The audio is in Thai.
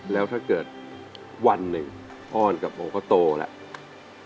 แล้วถ้าเกิดวันหนึ่งอ้อนกับโอก็โตแล้ว